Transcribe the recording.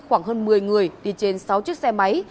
khoảng hơn một mươi người đi trên sáu chiếc xe máy